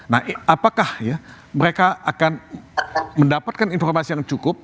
nah apakah ya mereka akan mendapatkan informasi yang cukup